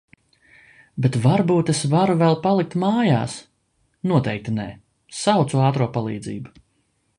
Bet varbūt es varu vēl palikt mājās?... noteikti nē! Saucu ātro palīdzību.